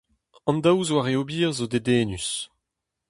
An daou zoare ober zo dedennus.